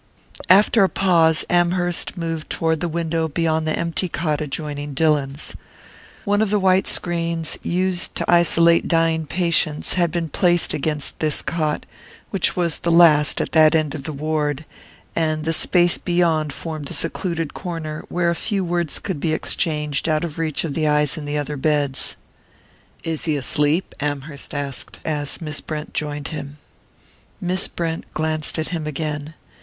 After a pause, Amherst moved toward the window beyond the empty cot adjoining Dillon's. One of the white screens used to isolate dying patients had been placed against this cot, which was the last at that end of the ward, and the space beyond formed a secluded corner, where a few words could be exchanged out of reach of the eyes in the other beds. "Is he asleep?" Amherst asked, as Miss Brent joined him. Miss Brent glanced at him again.